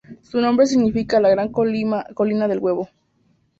Su nombre significa 'la gran colina del huevo'.